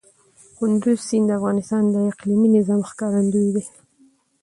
کندز سیند د افغانستان د اقلیمي نظام ښکارندوی دی.